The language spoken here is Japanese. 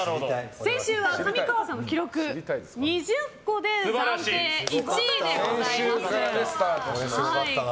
先週は上川さんの記録２０個で暫定１位でございます。